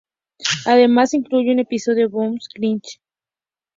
Además incluye un episodio bonus: "Grinch Night".